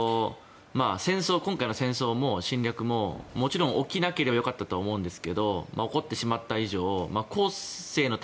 今回の戦争、侵略ももちろん起きなければよかったと思いますが起こってしまった以上後世の